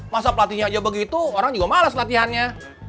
masa pelatihnya aja begitu orang juga malas latihannya